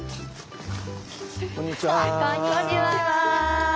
こんにちは。